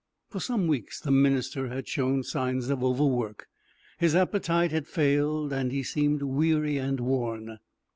For some weeks the minister had shown signs of overwork. His appetite had failed, and he seemed weary and worn.